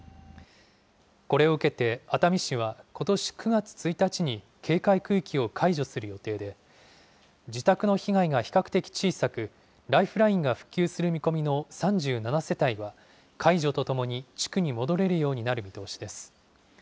これを受けて熱海市はことし９月１日に、警戒区域を解除する予定で、自宅の被害が比較的小さく、ライフラインが復旧する見込みの３７世帯は、解除とともに地区に戻れるようになる見通しです。